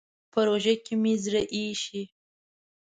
په روژه کې مې زړه اېشي.